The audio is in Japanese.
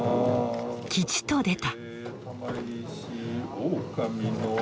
吉と出た。